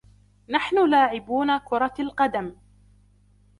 نحن لاعبون كره القدم.